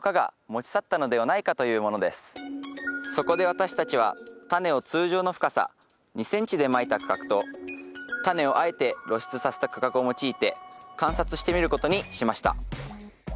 そこで私たちはタネを通常の深さ２ｃｍでまいた区画とタネをあえて露出させた区画を用いて観察してみることにしました。